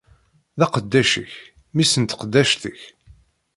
D aqeddac-ik, mmi-s n tqeddact-ik.